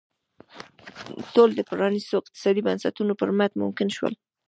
ټول د پرانیستو اقتصادي بنسټونو پر مټ ممکن شول.